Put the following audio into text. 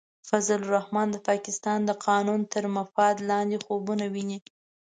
فضل الرحمن د پاکستان د قانون تر مفاد لاندې خوبونه ویني.